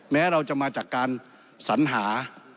แม้เราจะมาจากการสัญหา